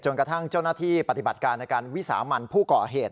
กระทั่งเจ้าหน้าที่ปฏิบัติการในการวิสามันผู้ก่อเหตุ